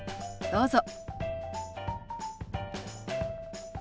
どうぞ。